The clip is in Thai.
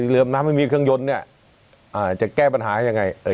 เรือมน้ำไม่มีเครื่องยนต์เนี่ยจะแก้ปัญหายังไง